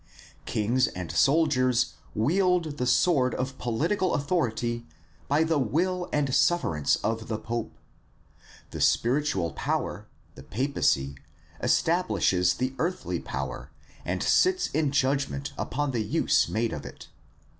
Kings and soldiers wield the sword of political authority by the will and sufferance of the pope. The DEVELOPMENT OF THE CATHOLIC CHURCH 345 spiritual power, the papacy, establishes the earthly power and sits in judgment upon the use made of it.